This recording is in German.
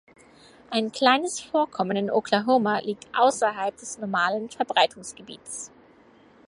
Ein kleines Vorkommen in Oklahoma liegt außerhalb des normalen Verbreitungsgebiets.